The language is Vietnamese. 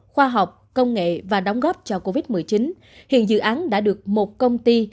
khoa học công nghệ và đóng góp cho covid một mươi chín hiện dự án đã được một công ty